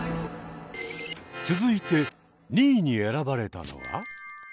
続いて２位に選ばれたのは？